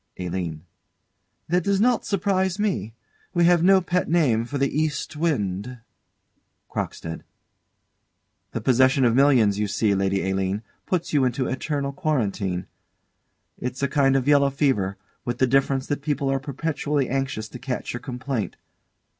ALINE. That does not surprise me: we have no pet name for the East wind. CROCKSTEAD. The possession of millions, you see, Lady Aline, puts you into eternal quarantine. It is a kind of yellow fever, with the difference that people are perpetually anxious to catch your complaint.